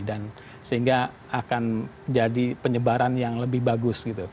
dan sehingga akan jadi penyebaran yang lebih bagus gitu